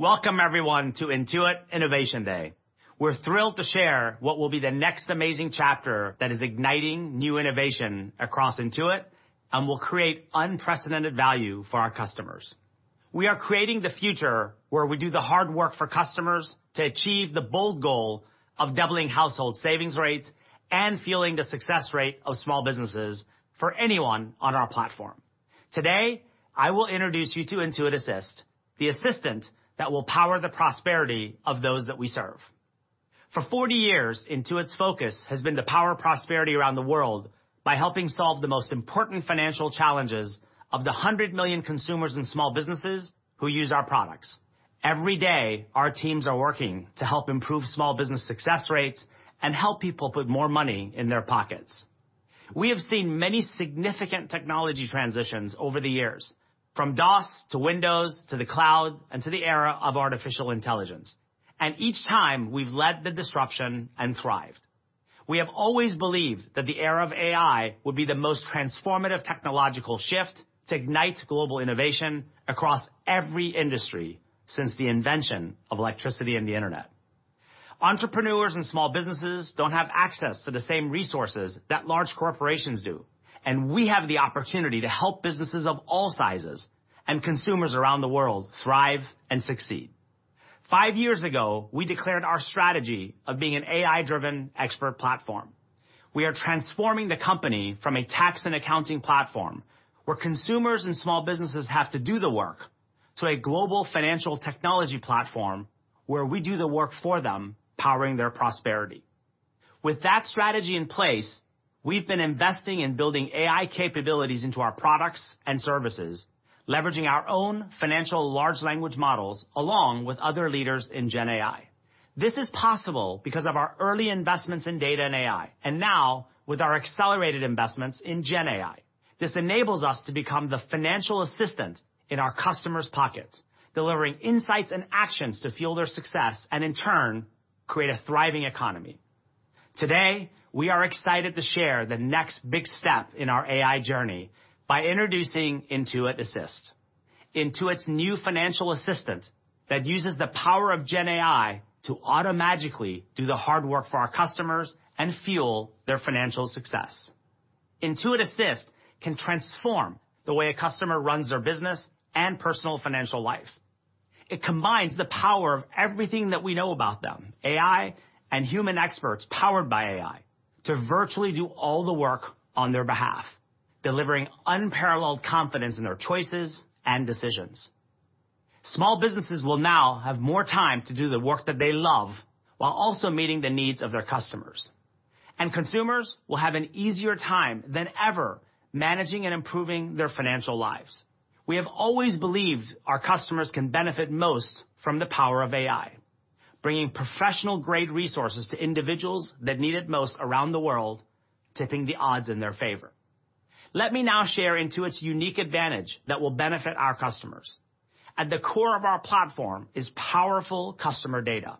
Welcome, everyone, to Intuit Innovation Day. We're thrilled to share what will be the next amazing chapter that is igniting new innovation across Intuit and will create unprecedented value for our customers. We are creating the future where we do the hard work for customers to achieve the bold goal of doubling household savings rates and fueling the success rate of small businesses for anyone on our platform. Today, I will introduce you to Intuit Assist, the assistant that will power the prosperity of those that we serve. For 40 years, Intuit's focus has been to power prosperity around the world by helping solve the most important financial challenges of the 100 million consumers and small businesses who use our products. Every day, our teams are working to help improve small business success rates and help people put more money in their pockets. We have seen many significant technology transitions over the years, from DOS to Windows to the cloud and to the era of artificial intelligence, and each time, we've led the disruption and thrived. We have always believed that the era of AI would be the most transformative technological shift to ignite global innovation across every industry since the invention of electricity and the internet. Entrepreneurs and small businesses don't have access to the same resources that large corporations do, and we have the opportunity to help businesses of all sizes and consumers around the world thrive and succeed. five years ago, we declared our strategy of being an AI-driven expert platform. We are transforming the company from a tax and accounting platform, where consumers and small businesses have to do the work, to a global financial technology platform where we do the work for them, powering their prosperity. With that strategy in place, we've been investing in building AI capabilities into our products and services, leveraging our own financial large language models, along with other leaders in GenAI. This is possible because of our early investments in data and AI, and now with our accelerated investments in GenAI. This enables us to become the financial assistant in our customers' pockets, delivering insights and actions to fuel their success and in turn, create a thriving economy. Today, we are excited to share the next big step in our AI journey by introducing Intuit Assist, Intuit's new financial assistant that uses the power of GenAI to automagically do the hard work for our customers and fuel their financial success. Intuit Assist can transform the way a customer runs their business and personal financial life. It combines the power of everything that we know about them, AI and human experts powered by AI, to virtually do all the work on their behalf, delivering unparalleled confidence in their choices and decisions. Small businesses will now have more time to do the work that they love, while also meeting the needs of their customers, and consumers will have an easier time than ever managing and improving their financial lives. We have always believed our customers can benefit most from the power of AI, bringing professional-grade resources to individuals that need it most around the world, tipping the odds in their favor. Let me now share Intuit's unique advantage that will benefit our customers. At the core of our platform is powerful customer data.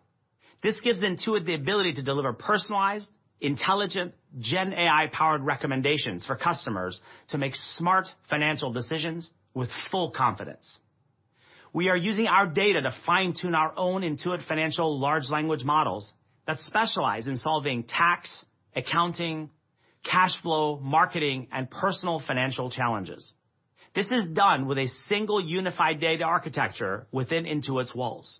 This gives Intuit the ability to deliver personalized, intelligent, GenAI-powered recommendations for customers to make smart financial decisions with full confidence. We are using our data to fine-tune our own Intuit financial large language models that specialize in solving tax, accounting, cash flow, marketing, and personal financial challenges. This is done with a single unified data architecture within Intuit's walls.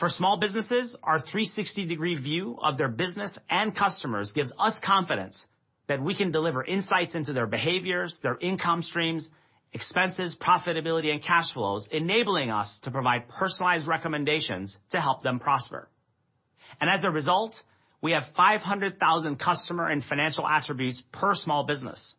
For small businesses, our 360-degree view of their business and customers gives us confidence that we can deliver insights into their behaviors, their income streams, expenses, profitability, and cash flows, enabling us to provide personalized recommendations to help them prosper. As a result, we have 500,000 customer and financial attributes per small business.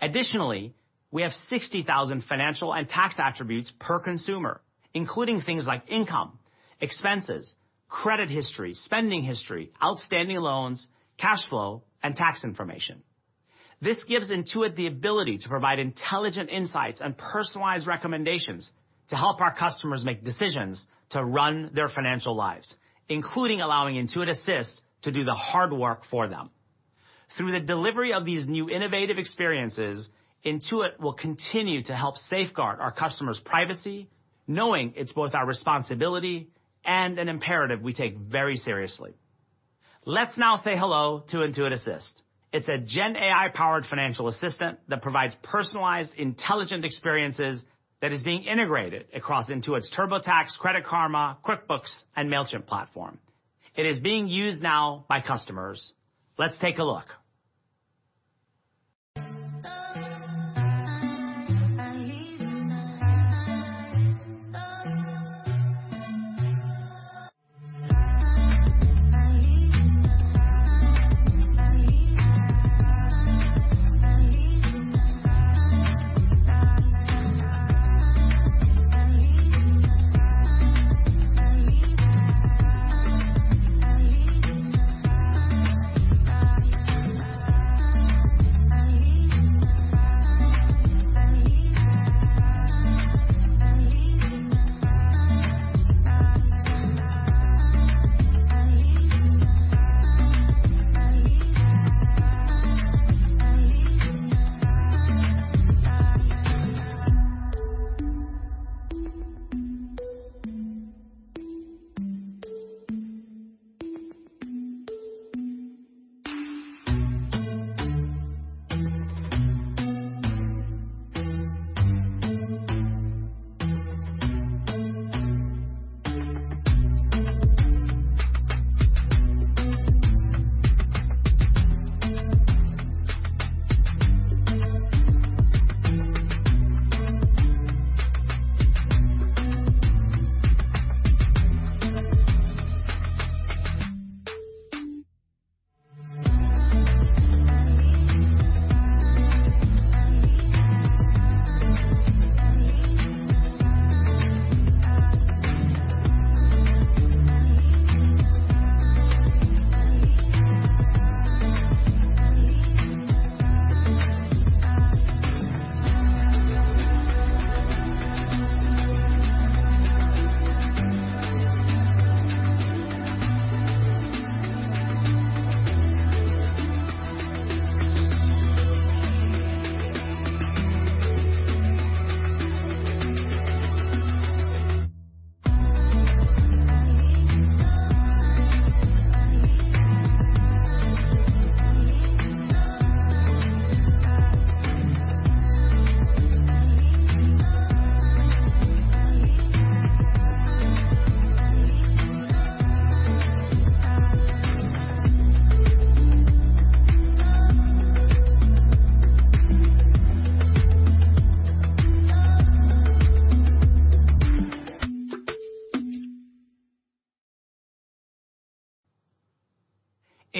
Additionally, we have 60,000 financial and tax attributes per consumer, including things like income, expenses, credit history, spending history, outstanding loans, cash flow, and tax information. This gives Intuit the ability to provide intelligent insights and personalized recommendations to help our customers make decisions to run their financial lives, including allowing Intuit Assist to do the hard work for them. Through the delivery of these new innovative experiences, Intuit will continue to help safeguard our customers' privacy, knowing it's both our responsibility and an imperative we take very seriously. Let's now say hello to Intuit Assist. It's a GenAI-powered financial assistant that provides personalized, intelligent experiences that is being integrated across Intuit's TurboTax, Credit Karma, QuickBooks, and Mailchimp platform. It is being used now by customers. Let's take a look.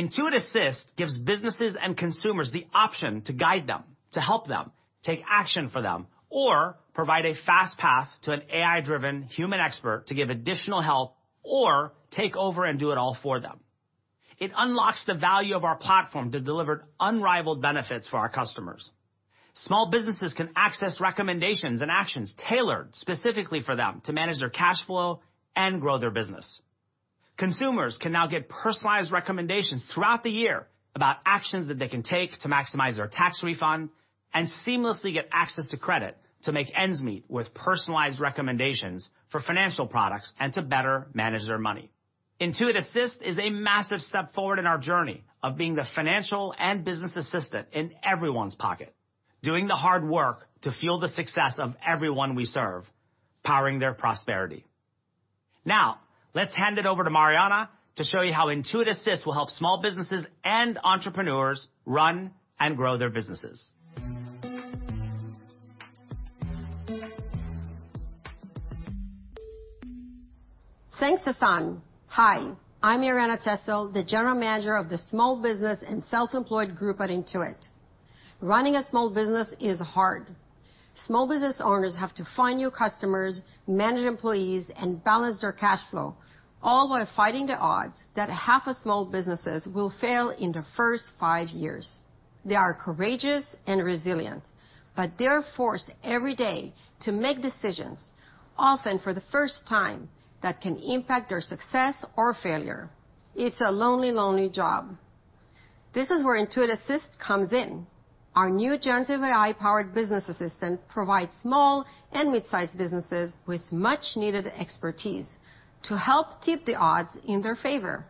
Intuit Assist gives businesses and consumers the option to guide them, to help them, take action for them, or provide a fast path to an AI-driven human expert to give additional help or take over and do it all for them. It unlocks the value of our platform to deliver unrivaled benefits for our customers. Small businesses can access recommendations and actions tailored specifically for them to manage their cash flow and grow their business. Consumers can now get personalized recommendations throughout the year about actions that they can take to maximize their tax refund and seamlessly get access to credit to make ends meet with personalized recommendations for financial products and to better manage their money. Intuit Assist is a massive step forward in our journey of being the financial and business assistant in everyone's pocket, doing the hard work to fuel the success of everyone we serve, powering their prosperity. Now, let's hand it over to Mariana to show you how Intuit Assist will help small businesses and entrepreneurs run and grow their businesses. Hi, I'm Marianna Tessel, the general manager of the Small Business and Self-Employed Group at Intuit. Running a small business is hard. Small business owners have to find new customers, manage employees, and balance their cash flow, all while fighting the odds that half of small businesses will fail in their first five years. They are courageous and resilient, but they're forced every day to make decisions, often for the first time, that can impact their success or failure. It's a lonely, lonely job. This is where Intuit Assist comes in. Our new generative AI-powered business assistant provides small and mid-sized businesses with much-needed expertise to help tip the odds in their favor.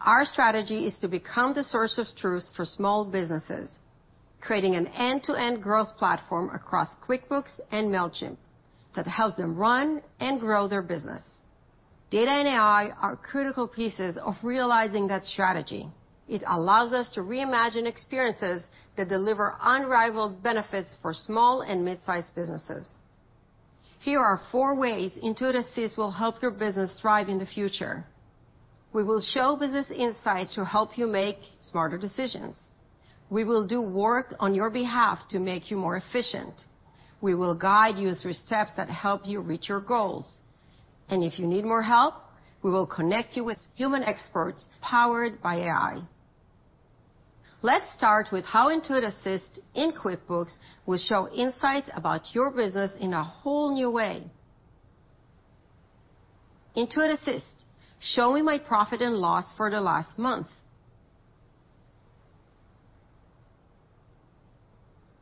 Our strategy is to become the source of truth for small businesses, creating an end-to-end growth platform across QuickBooks and Mailchimp that helps them run and grow their business. Data and AI are critical pieces of realizing that strategy. It allows us to reimagine experiences that deliver unrivaled benefits for small and mid-sized businesses. Here are four ways Intuit Assist will help your business thrive in the future. We will show business insights to help you make smarter decisions. We will do work on your behalf to make you more efficient. We will guide you through steps that help you reach your goals. And if you need more help, we will connect you with human experts powered by AI. Let's start with how Intuit Assist in QuickBooks will show insights about your business in a whole new way. Intuit Assist, show me my profit and loss for the last month...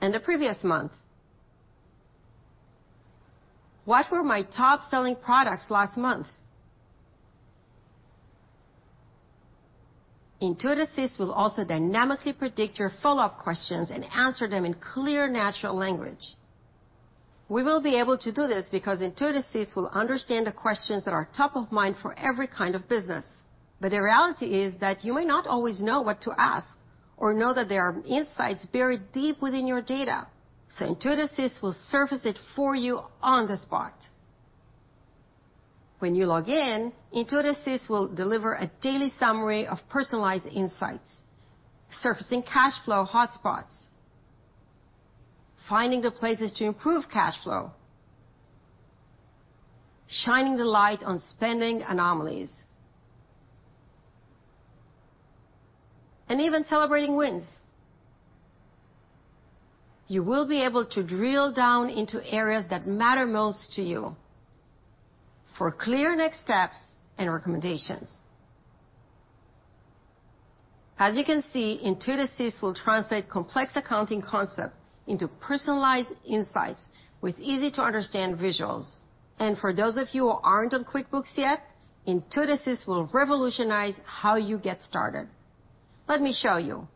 and the previous month. What were my top-selling products last month? Intuit Assist will also dynamically predict your follow-up questions and answer them in clear, natural language. We will be able to do this because Intuit Assist will understand the questions that are top of mind for every kind of business. But the reality is that you may not always know what to ask or know that there are insights buried deep within your data, so Intuit Assist will surface it for you on the spot. When you log in, Intuit Assist will deliver a daily summary of personalized insights, surfacing cash flow hotspots, finding the places to improve cash flow, shining the light on spending anomalies, and even celebrating wins. You will be able to drill down into areas that matter most to you for clear next steps and recommendations. As you can see, Intuit Assist will translate complex accounting concepts into personalized insights with easy-to-understand visuals. And for those of you who aren't on QuickBooks yet, Intuit Assist will revolutionize how you get started. Let me show you.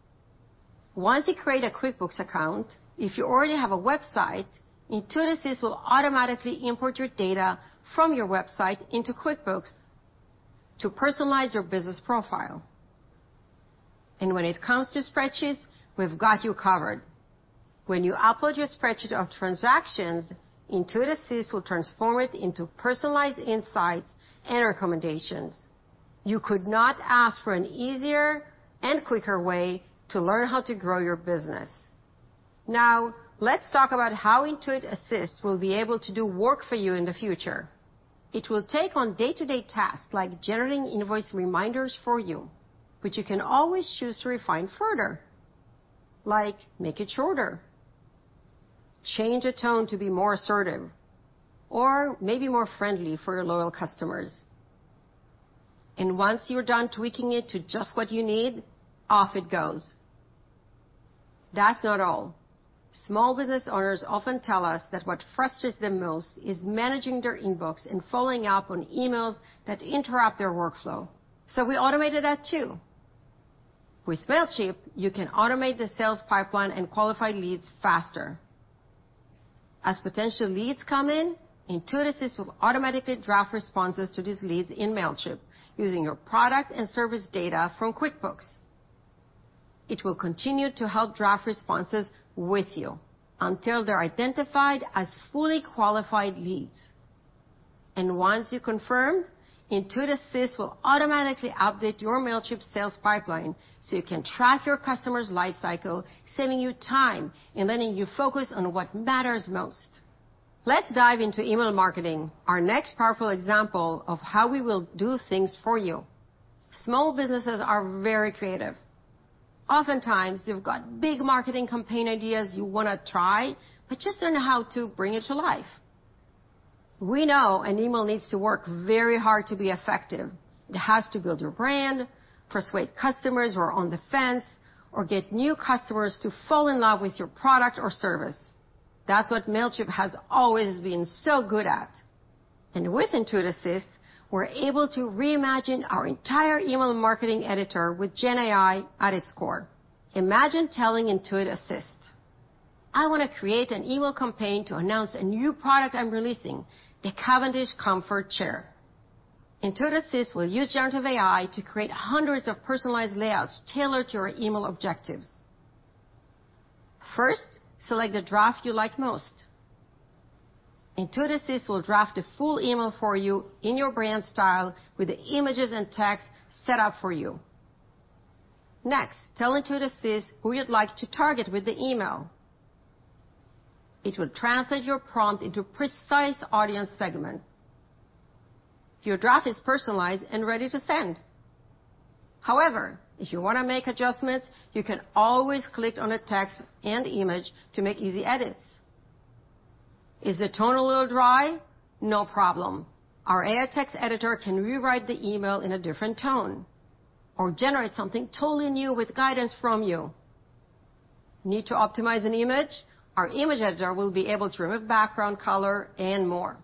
Once you create a QuickBooks account, if you already have a website, Intuit Assist will automatically import your data from your website into QuickBooks to personalize your business profile. And when it comes to spreadsheets, we've got you covered. When you upload your spreadsheet of transactions, Intuit Assist will transform it into personalized insights and recommendations. You could not ask for an easier and quicker way to learn how to grow your business. Now, let's talk about how Intuit Assist will be able to do work for you in the future. It will take on day-to-day tasks, like generating invoice reminders for you, which you can always choose to refine further. Like, make it shorter, change a tone to be more assertive, or maybe more friendly for your loyal customers. And once you're done tweaking it to just what you need, off it goes. That's not all. Small business owners often tell us that what frustrates them most is managing their inbox and following up on emails that interrupt their workflow. So we automated that, too. With Mailchimp, you can automate the sales pipeline and qualify leads faster. As potential leads come in, Intuit Assist will automatically draft responses to these leads in Mailchimp using your product and service data from QuickBooks. It will continue to help draft responses with you until they're identified as fully qualified leads. And once you confirm, Intuit Assist will automatically update your Mailchimp sales pipeline, so you can track your customer's life cycle, saving you time and letting you focus on what matters most. Let's dive into email marketing, our next powerful example of how we will do things for you. Small businesses are very creative. Oftentimes, you've got big marketing campaign ideas you wanna try, but just don't know how to bring it to life. We know an email needs to work very hard to be effective. It has to build your brand, persuade customers who are on the fence, or get new customers to fall in love with your product or service. That's what Mailchimp has always been so good at, and with Intuit Assist, we're able to reimagine our entire email marketing editor with GenAI at its core. Imagine telling Intuit Assist, "I wanna create an email campaign to announce a new product I'm releasing, the Cavendish Comfort Chair." Intuit Assist will use generative AI to create 100s of personalized layouts tailored to your email objectives. First, select the draft you like most. Intuit Assist will draft a full email for you in your brand style with the images and text set up for you. Next, tell Intuit Assist who you'd like to target with the email. It will translate your prompt into a precise audience segment. Your draft is personalized and ready to send. However, if you wanna make adjustments, you can always click on the text and image to make easy edits. Is the tone a little dry? No problem. Our AI text editor can rewrite the email in a different tone or generate something totally new with guidance from you. Need to optimize an image? Our image editor will be able to remove background color and more.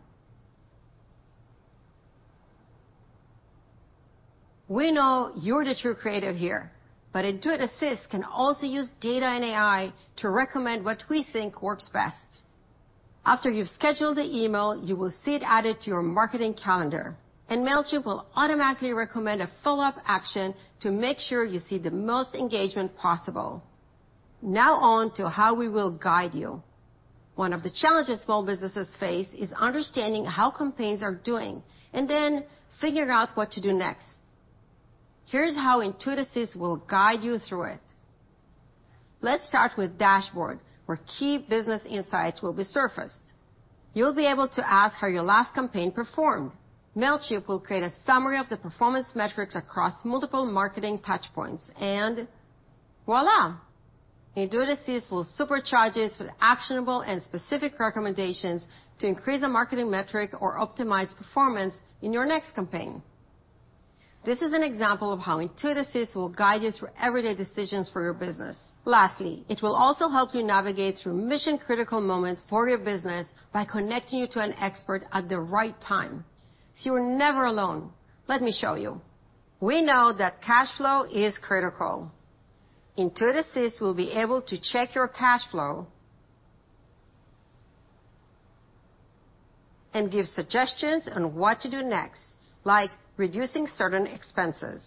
We know you're the true creative here, but Intuit Assist can also use data and AI to recommend what we think works best. After you've scheduled the email, you will see it added to your marketing calendar, and Mailchimp will automatically recommend a follow-up action to make sure you see the most engagement possible. Now on to how we will guide you. One of the challenges small businesses face is understanding how campaigns are doing, and then figuring out what to do next. Here's how Intuit Assist will guide you through it. Let's start with dashboard, where key business insights will be surfaced. You'll be able to ask how your last campaign performed. Mailchimp will create a summary of the performance metrics across multiple marketing touchpoints, and voila! Intuit Assist will supercharge it with actionable and specific recommendations to increase the marketing metric or optimize performance in your next campaign. This is an example of how Intuit Assist will guide you through everyday decisions for your business. Lastly, it will also help you navigate through mission-critical moments for your business by connecting you to an expert at the right time, so you're never alone. Let me show you. We know that cash flow is critical. Intuit Assist will be able to check your cash flow and give suggestions on what to do next, like reducing certain expenses.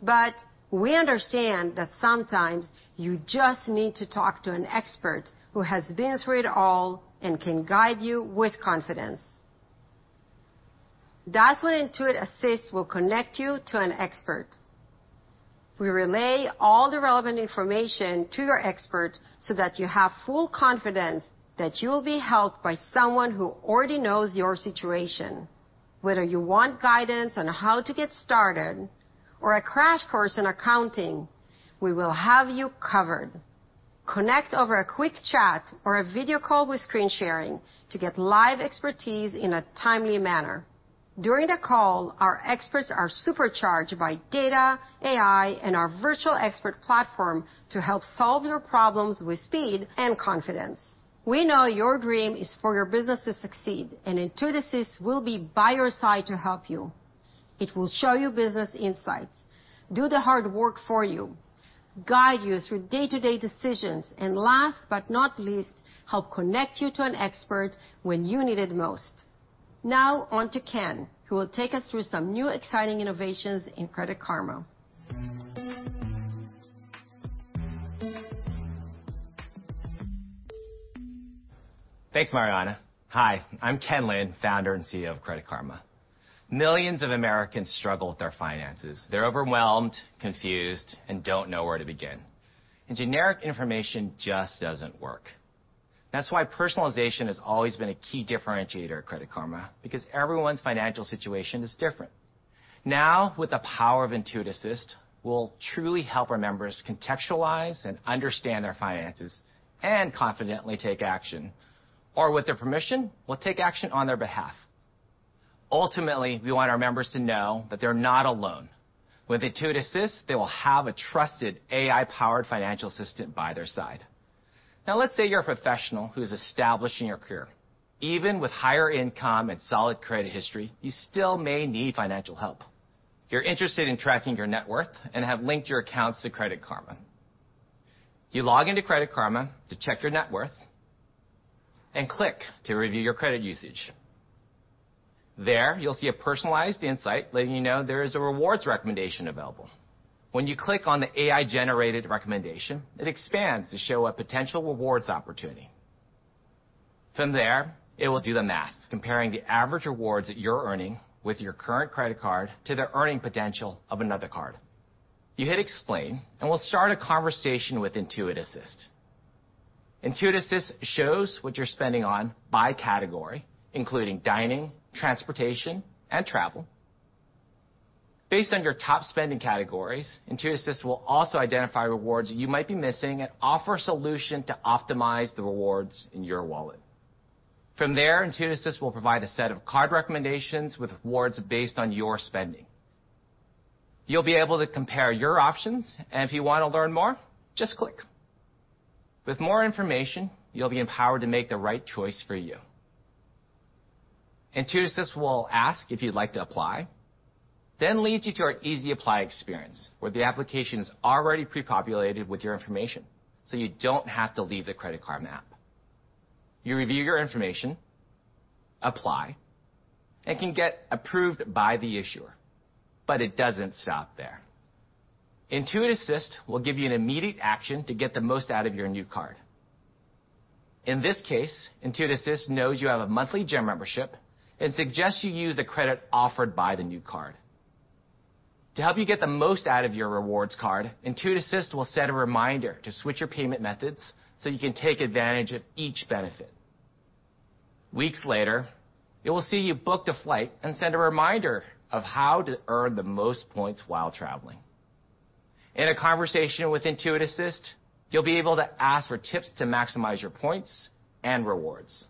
But we understand that sometimes you just need to talk to an expert who has been through it all and can guide you with confidence. That's when Intuit Assist will connect you to an expert. We relay all the relevant information to your expert so that you have full confidence that you will be helped by someone who already knows your situation. Whether you want guidance on how to get started or a crash course in accounting, we will have you covered.... Connect over a quick chat or a video call with screen sharing to get live expertise in a timely manner. During the call, our experts are supercharged by data, AI, and our Virtual Expert Platform to help solve your problems with speed and confidence. We know your dream is for your business to succeed, and Intuit Assist will be by your side to help you. It will show you business insights, do the hard work for you, guide you through day-to-day decisions, and last but not least, help connect you to an expert when you need it most. Now on to Ken, who will take us through some new exciting innovations in Credit Karma. Thanks, Mariana. Hi, I'm Ken Lin, founder and CEO of Credit Karma. Millions of Americans struggle with their finances. They're overwhelmed, confused, and don't know where to begin, and generic information just doesn't work. That's why personalization has always been a key differentiator at Credit Karma, because everyone's financial situation is different. Now, with the power of Intuit Assist, we'll truly help our members contextualize and understand their finances and confidently take action. Or with their permission, we'll take action on their behalf. Ultimately, we want our members to know that they're not alone. With Intuit Assist, they will have a trusted AI-powered financial assistant by their side. Now, let's say you're a professional who's establishing your career. Even with higher income and solid credit history, you still may need financial help. You're interested in tracking your net worth and have linked your accounts to Credit Karma. You log into Credit Karma to check your net worth and click to review your credit usage. There, you'll see a personalized insight letting you know there is a rewards recommendation available. When you click on the AI-generated recommendation, it expands to show a potential rewards opportunity. From there, it will do the math, comparing the average rewards that you're earning with your current credit card to the earning potential of another card. You hit Explain, and we'll start a conversation with Intuit Assist. Intuit Assist shows what you're spending on by category, including dining, transportation, and travel. Based on your top spending categories, Intuit Assist will also identify rewards you might be missing and offer a solution to optimize the rewards in your wallet. From there, Intuit Assist will provide a set of card recommendations with rewards based on your spending. You'll be able to compare your options, and if you wanna learn more, just click. With more information, you'll be empowered to make the right choice for you. Intuit Assist will ask if you'd like to apply, then leads you to our Easy Apply experience, where the application is already pre-populated with your information, so you don't have to leave the Credit Karma app. You review your information, apply, and can get approved by the issuer, but it doesn't stop there. Intuit Assist will give you an immediate action to get the most out of your new card. In this case, Intuit Assist knows you have a monthly gym membership and suggests you use the credit offered by the new card. To help you get the most out of your rewards card, Intuit Assist will set a reminder to switch your payment methods so you can take advantage of each benefit. Weeks later, it will see you booked a flight and send a reminder of how to earn the most points while traveling. In a conversation with Intuit Assist, you'll be able to ask for tips to maximize your points and rewards.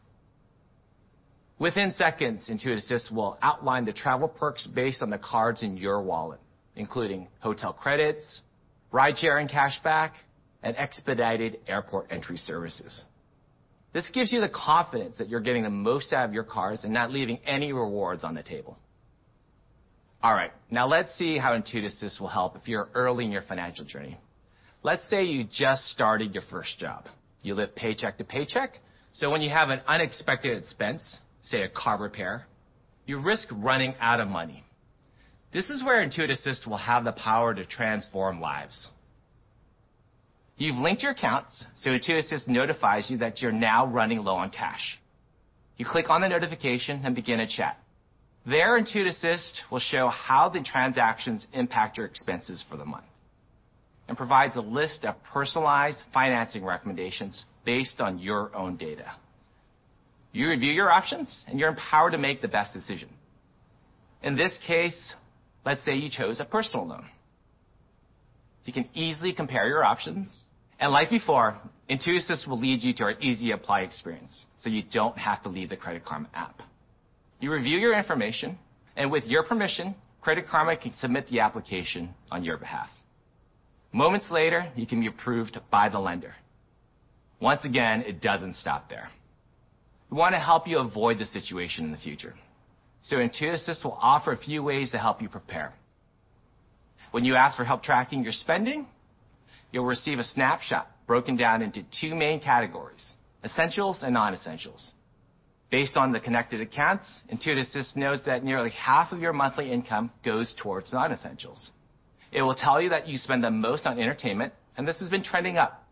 Within seconds, Intuit Assist will outline the travel perks based on the cards in your wallet, including hotel credits, rideshare and cash back, and expedited airport entry services. This gives you the confidence that you're getting the most out of your cards and not leaving any rewards on the table. All right, now let's see how Intuit Assist will help if you're early in your financial journey. Let's say you just started your first job. You live paycheck to paycheck, so when you have an unexpected expense, say, a car repair, you risk running out of money. This is where Intuit Assist will have the power to transform lives. You've linked your accounts, so Intuit Assist notifies you that you're now running low on cash. You click on the notification and begin a chat. There, Intuit Assist will show how the transactions impact your expenses for the month and provides a list of personalized financing recommendations based on your own data. You review your options, and you're empowered to make the best decision. In this case, let's say you chose a personal loan. You can easily compare your options, and like before, Intuit Assist will lead you to our Easy Apply experience, so you don't have to leave the Credit Karma app. You review your information, and with your permission, Credit Karma can submit the application on your behalf. Moments later, you can be approved by the lender. Once again, it doesn't stop there. We wanna help you avoid this situation in the future, so Intuit Assist will offer a few ways to help you prepare. When you ask for help tracking your spending, you'll receive a snapshot broken down into two main categories: essentials and non-essentials. Based on the connected accounts, Intuit Assist knows that nearly half of your monthly income goes towards non-essentials. It will tell you that you spend the most on entertainment, and this has been trending up.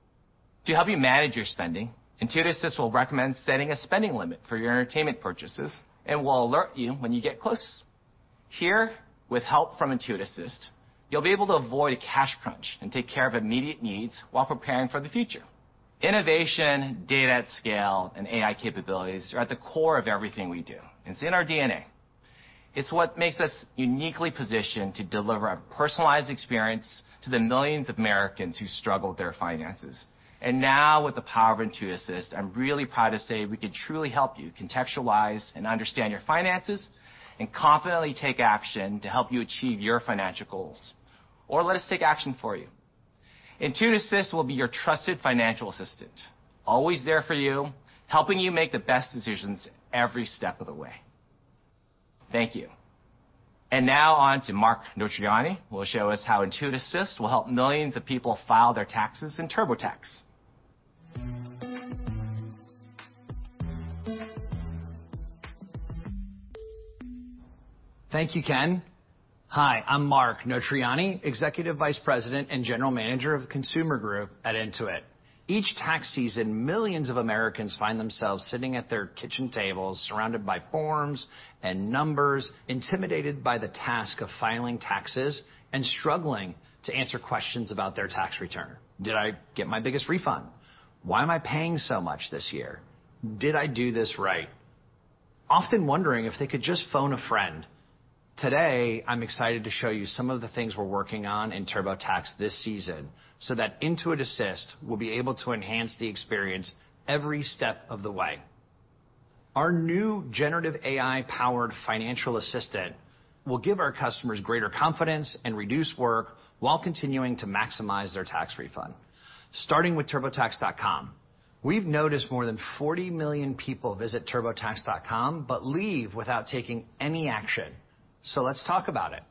To help you manage your spending, Intuit Assist will recommend setting a spending limit for your entertainment purchases and will alert you when you get close. Here, with help from Intuit Assist, you'll be able to avoid a cash crunch and take care of immediate needs while preparing for the future. Innovation, data at scale, and AI capabilities are at the core of everything we do. It's in our DNA. It's what makes us uniquely positioned to deliver a personalized experience to the millions of Americans who struggle with their finances. Now, with the power of Intuit Assist, I'm really proud to say we can truly help you contextualize and understand your finances, and confidently take action to help you achieve your financial goals. Or let us take action for you. Intuit Assist will be your trusted financial assistant, always there for you, helping you make the best decisions every step of the way. Thank you. Now on to Mark Notarianni, who will show us how Intuit Assist will help millions of people file their taxes in TurboTax. Thank you, Ken. Hi, I'm Mark Notarianni, Executive Vice President and General Manager of Consumer Group at Intuit. Each tax season, millions of Americans find themselves sitting at their kitchen tables, surrounded by forms and numbers, intimidated by the task of filing taxes, and struggling to answer questions about their tax return. Did I get my biggest refund? Why am I paying so much this year? Did I do this right? Often wondering if they could just phone a friend. Today, I'm excited to show you some of the things we're working on in TurboTax this season, so that Intuit Assist will be able to enhance the experience every step of the way. Our new generative AI-powered financial assistant will give our customers greater confidence and reduce work while continuing to maximize their tax refund. Starting with TurboTax.com, we've noticed more than 40 million people visit TurboTax.com but leave without taking any action. So let's talk about it.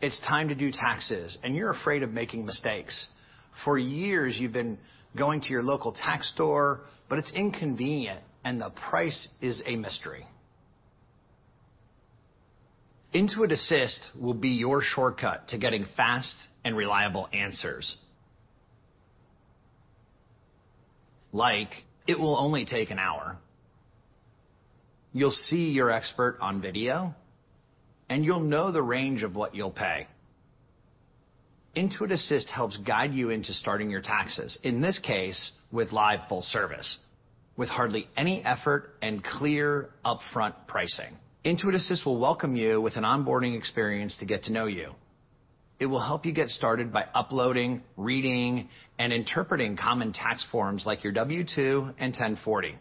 It's time to do taxes, and you're afraid of making mistakes. For years, you've been going to your local tax store, but it's inconvenient, and the price is a mystery. Intuit Assist will be your shortcut to getting fast and reliable answers. Like, it will only take an hour. You'll see your expert on video, and you'll know the range of what you'll pay. Intuit Assist helps guide you into starting your taxes, in this case, with Live Full Service, with hardly any effort and clear, upfront pricing. Intuit Assist will welcome you with an onboarding experience to get to know you. It will help you get started by uploading, reading, and interpreting common tax forms like your W-2 and 1040.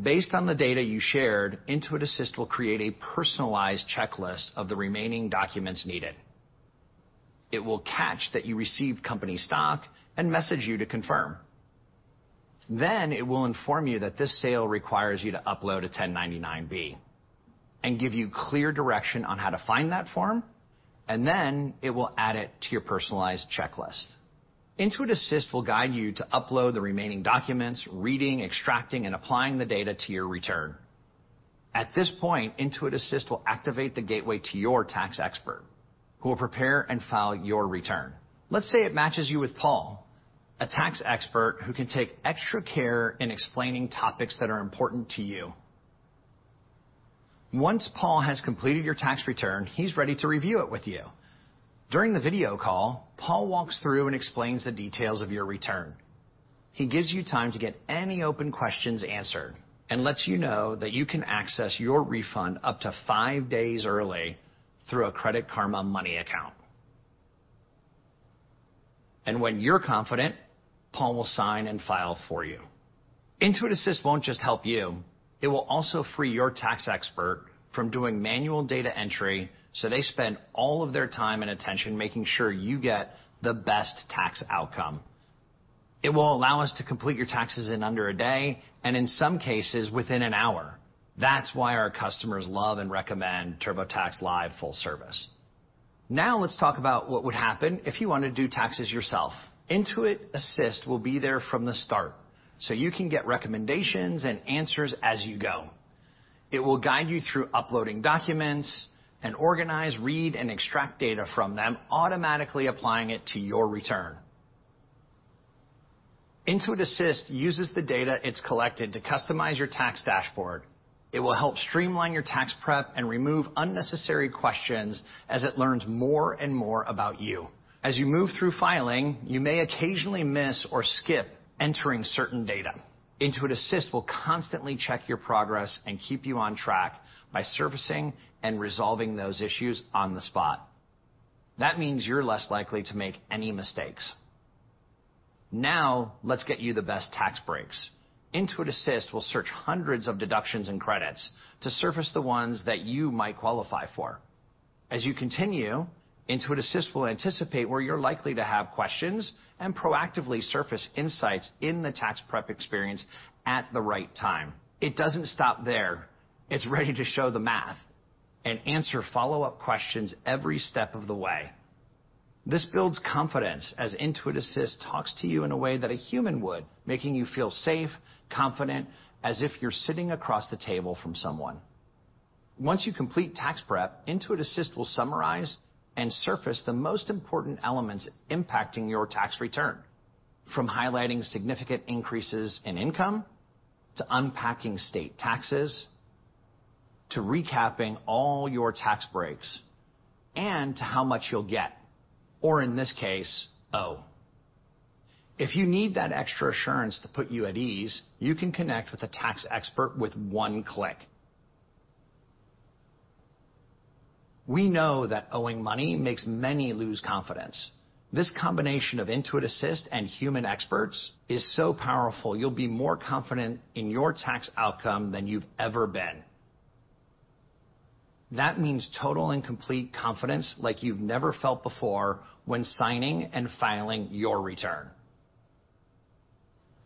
Based on the data you shared, Intuit Assist will create a personalized checklist of the remaining documents needed. It will catch that you received company stock and message you to confirm. Then it will inform you that this sale requires you to upload a 1099-B, and give you clear direction on how to find that form, and then it will add it to your personalized checklist. Intuit Assist will guide you to upload the remaining documents, reading, extracting, and applying the data to your return. At this point, Intuit Assist will activate the gateway to your tax expert, who will prepare and file your return. Let's say it matches you with Paul, a tax expert who can take extra care in explaining topics that are important to you. Once Paul has completed your tax return, he's ready to review it with you. During the video call, Paul walks through and explains the details of your return. He gives you time to get any open questions answered and lets you know that you can access your refund up to five days early through a Credit Karma Money account. And when you're confident, Paul will sign and file for you. Intuit Assist won't just help you, it will also free your tax expert from doing manual data entry, so they spend all of their time and attention making sure you get the best tax outcome. It will allow us to complete your taxes in under a day, and in some cases, within an hour. That's why our customers love and recommend TurboTax Live Full Service. Now, let's talk about what would happen if you want to do taxes yourself. Intuit Assist will be there from the start, so you can get recommendations and answers as you go. It will guide you through uploading documents and organize, read, and extract data from them, automatically applying it to your return. Intuit Assist uses the data it's collected to customize your tax dashboard. It will help streamline your tax prep and remove unnecessary questions as it learns more and more about you. As you move through filing, you may occasionally miss or skip entering certain data. Intuit Assist will constantly check your progress and keep you on track by servicing and resolving those issues on the spot. That means you're less likely to make any mistakes. Now, let's get you the best tax breaks. Intuit Assist will search hundreds of deductions and credits to surface the ones that you might qualify for. As you continue, Intuit Assist will anticipate where you're likely to have questions and proactively surface insights in the tax prep experience at the right time. It doesn't stop there. It's ready to show the math and answer follow-up questions every step of the way. This builds confidence as Intuit Assist talks to you in a way that a human would, making you feel safe, confident, as if you're sitting across the table from someone. Once you complete tax prep, Intuit Assist will summarize and surface the most important elements impacting your tax return, from highlighting significant increases in income, to unpacking state taxes, to recapping all your tax breaks, and to how much you'll get, or in this case, owe.... If you need that extra assurance to put you at ease, you can connect with a tax expert with one click. We know that owing money makes many lose confidence. This combination of Intuit Assist and human experts is so powerful, you'll be more confident in your tax outcome than you've ever been. That means total and complete confidence like you've never felt before when signing and filing your return.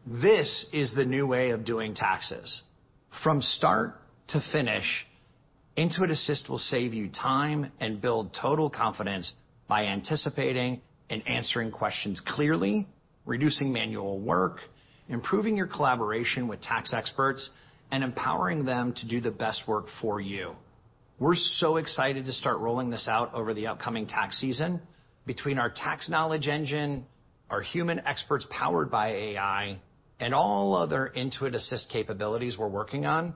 This is the new way of doing taxes. From start to finish, Intuit Assist will save you time and build total confidence by anticipating and answering questions clearly, reducing manual work, improving your collaboration with tax experts, and empowering them to do the best work for you. We're so excited to start rolling this out over the upcoming tax season. Between our Tax Knowledge Engine, our human experts powered by AI, and all other Intuit Assist capabilities we're working on,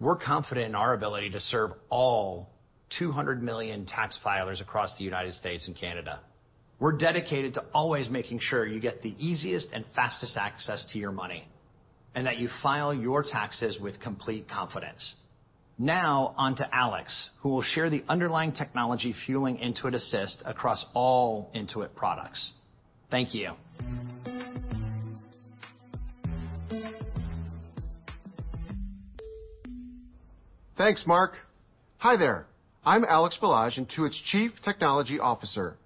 we're confident in our ability to serve all 200 million tax filers across the United States and Canada. We're dedicated to always making sure you get the easiest and fastest access to your money, and that you file your taxes with complete confidence. Now on to Alex, who will share the underlying technology fueling Intuit Assist across all Intuit products. Thank you. Thanks, Mark. Hi there, I'm Alex Balazs, Intuit's Chief Technology Officer.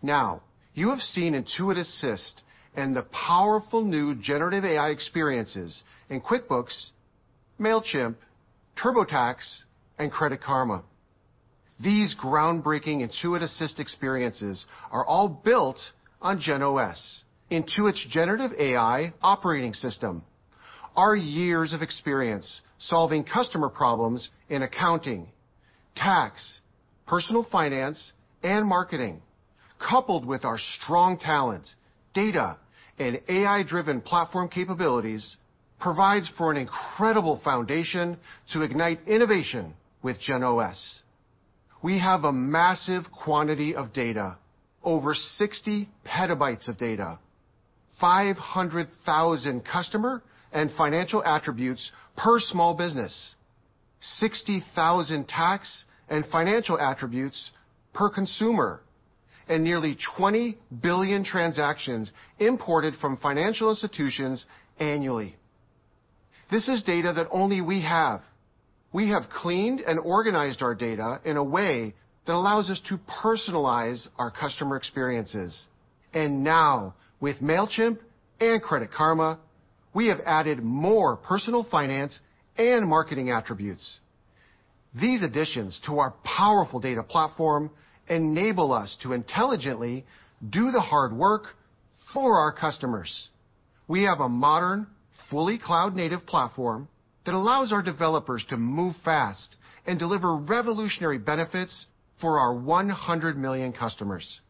Now, you have seen Intuit Assist and the powerful new generative AI experiences in QuickBooks, Mailchimp, TurboTax, and Credit Karma. These groundbreaking Intuit Assist experiences are all built on GenOS, Intuit's generative AI operating system. Our years of experience solving customer problems in accounting, tax, personal finance, and marketing, coupled with our strong talent, data, and AI-driven platform capabilities, provides for an incredible foundation to ignite innovation with GenOS. We have a massive quantity of data, over 60 PB of data, 500,000 customer and financial attributes per small business, 60,000 tax and financial attributes per consumer, and nearly 20 billion transactions imported from financial institutions annually. This is data that only we have. We have cleaned and organized our data in a way that allows us to personalize our customer experiences. Now, with Mailchimp and Credit Karma, we have added more personal finance and marketing attributes. These additions to our powerful data platform enable us to intelligently do the hard work for our customers. We have a modern, fully cloud-native platform that allows our developers to move fast and deliver revolutionary benefits for our 100 million customers.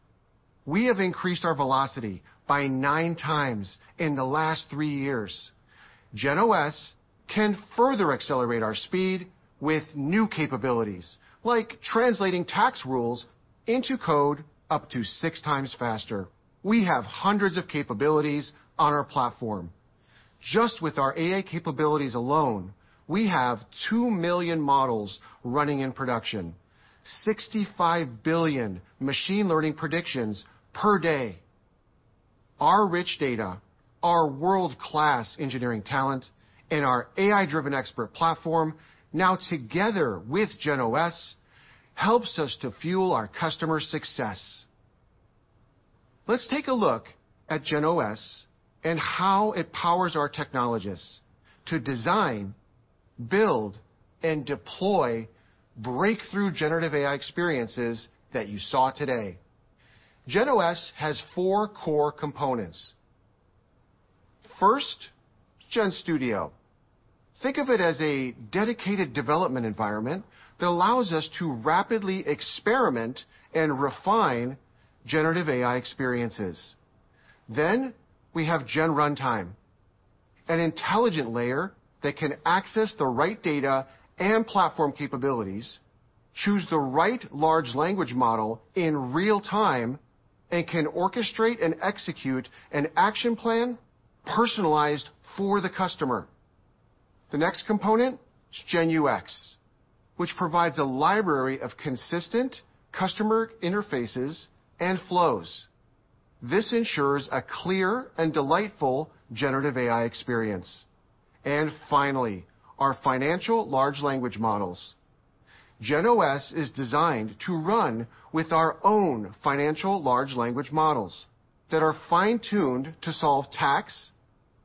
We have increased our velocity by 9x in the last three years. GenOS can further accelerate our speed with new capabilities, like translating tax rules into code up to 6x faster. We have hundreds of capabilities on our platform. Just with our AI capabilities alone, we have 2 million models running in production, 65 billion machine learning predictions per day. Our rich data, our world-class engineering talent, and our AI-driven expert platform, now together with GenOS, helps us to fuel our customer success. Let's take a look at GenOS and how it powers our technologists to design, build, and deploy breakthrough generative AI experiences that you saw today. GenOS has four core components. First, GenStudio. Think of it as a dedicated development environment that allows us to rapidly experiment and refine generative AI experiences. Then we have GenRuntime, an intelligent layer that can access the right data and platform capabilities, choose the right large language model in real time, and can orchestrate and execute an action plan personalized for the customer. The next component is GenUX, which provides a library of consistent customer interfaces and flows. This ensures a clear and delightful generative AI experience. And finally, our financial large language models. GenOS is designed to run with our own financial large language models that are fine-tuned to solve tax,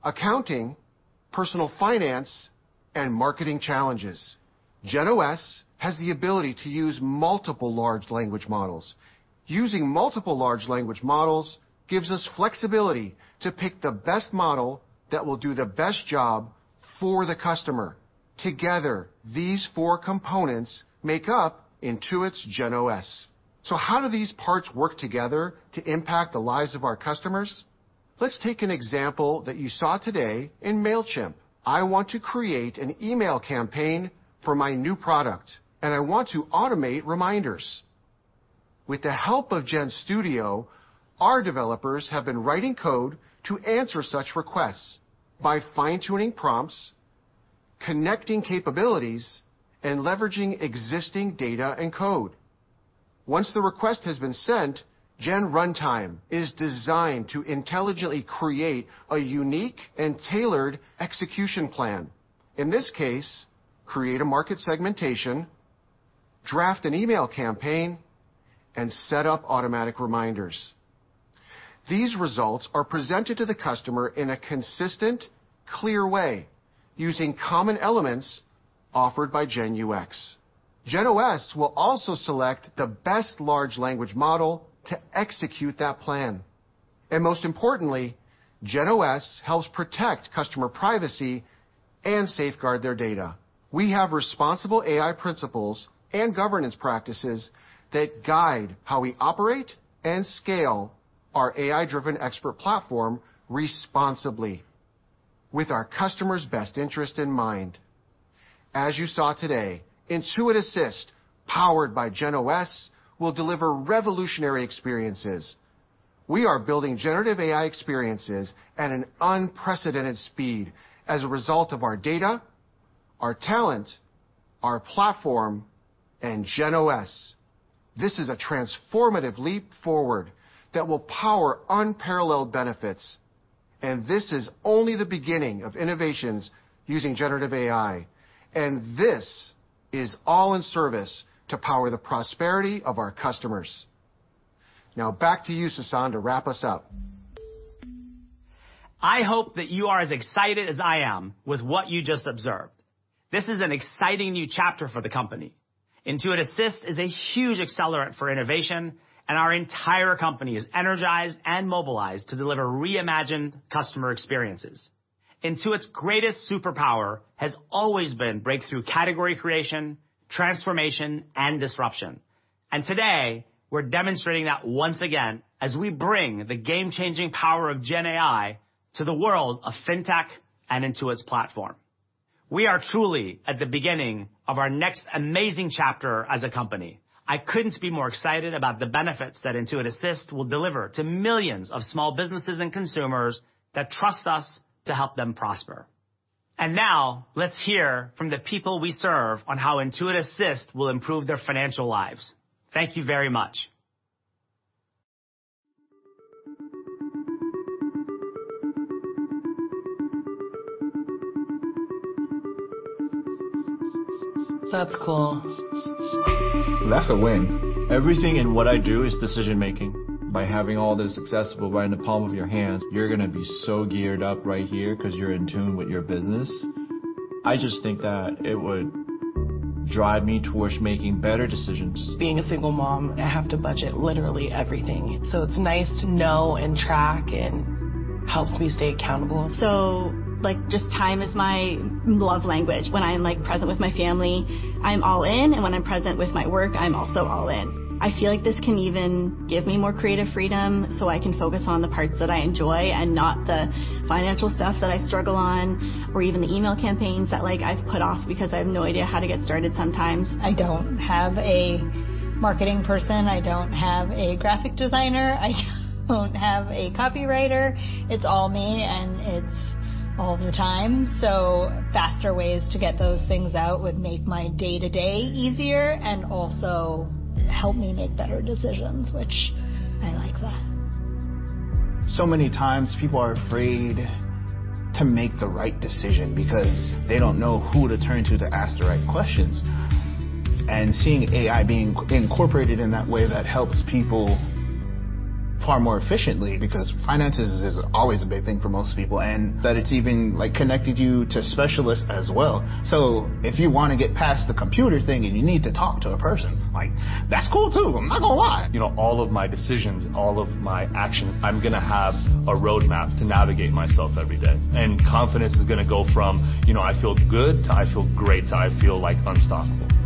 accounting, personal finance, and marketing challenges. GenOS has the ability to use multiple large language models. Using multiple large language models gives us flexibility to pick the best model that will do the best job for the customer. Together, these four components make up Intuit's GenOS. So how do these parts work together to impact the lives of our customers? Let's take an example that you saw today in Mailchimp. I want to create an email campaign for my new product, and I want to automate reminders. With the help of GenStudio, our developers have been writing code to answer such requests by fine-tuning prompts, connecting capabilities, and leveraging existing data and code. Once the request has been sent, GenRuntime is designed to intelligently create a unique and tailored execution plan. In this case, create a market segmentation, draft an email campaign, and set up automatic reminders. These results are presented to the customer in a consistent, clear way, using common elements offered by GenUX. GenOS will also select the best large language model to execute that plan. And most importantly, GenOS helps protect customer privacy and safeguard their data. We have responsible AI principles and governance practices that guide how we operate and scale our AI-driven expert platform responsibly, with our customers' best interest in mind. As you saw today, Intuit Assist, powered by GenOS, will deliver revolutionary experiences. We are building generative AI experiences at an unprecedented speed as a result of our data, our talent, our platform, and GenOS. This is a transformative leap forward that will power unparalleled benefits, and this is only the beginning of innovations using generative AI, and this is all in service to power the prosperity of our customers. Now back to you, Sasan, to wrap us up. I hope that you are as excited as I am with what you just observed. This is an exciting new chapter for the company. Intuit Assist is a huge accelerant for innovation, and our entire company is energized and mobilized to deliver reimagined customer experiences. Intuit's greatest superpower has always been breakthrough category creation, transformation, and disruption. And today, we're demonstrating that once again, as we bring the game-changing power of GenAI to the world of fintech and Intuit's platform. We are truly at the beginning of our next amazing chapter as a company. I couldn't be more excited about the benefits that Intuit Assist will deliver to millions of small businesses and consumers that trust us to help them prosper. And now, let's hear from the people we serve on how Intuit Assist will improve their financial lives. Thank you very much. That's cool. That's a win. Everything in what I do is decision-making. By having all this accessible right in the palm of your hands, you're gonna be so geared up right here 'cause you're in tune with your business. I just think that it would drive me towards making better decisions. Being a single mom, I have to budget literally everything, so it's nice to know and track and helps me stay accountable. So, like, just time is my love language. When I'm, like, present with my family, I'm all in, and when I'm present with my work, I'm also all in. I feel like this can even give me more creative freedom, so I can focus on the parts that I enjoy and not the financial stuff that I struggle on, or even the email campaigns that, like, I've put off because I have no idea how to get started sometimes. I don't have a marketing person, I don't have a graphic designer, I don't have a copywriter. It's all me, and it's all the time. So faster ways to get those things out would make my day-to-day easier and also help me make better decisions, which I like that. So many times, people are afraid to make the right decision because they don't know who to turn to, to ask the right questions. And seeing AI being incorporated in that way, that helps people far more efficiently, because finances is always a big thing for most people, and that it's even, like, connected you to specialists as well. So if you wanna get past the computer thing, and you need to talk to a person, like, that's cool, too. I'm not gonna lie! You know, all of my decisions, all of my actions, I'm gonna have a roadmap to navigate myself every day. Confidence is gonna go from, you know, "I feel good" to "I feel great," to "I feel like unstoppable.